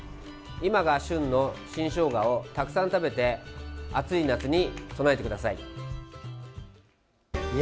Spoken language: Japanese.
今が旬の新ショウガをたくさん食べて暑い夏に備えてください。